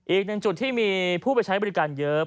อีกหนึ่งจุดที่มีผู้ไปใช้บริการเยอะ